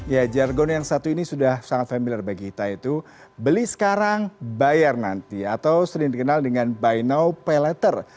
ya jargon yang satu ini sudah sangat familiar bagi kita itu beli sekarang bayar nanti atau sering dikenal dengan buy now pay later